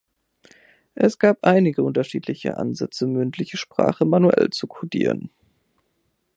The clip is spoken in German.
Es gab einige unterschiedliche Ansätze, mündliche Sprachen manuell zu codieren.